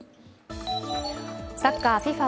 サッカーＦＩＦＡ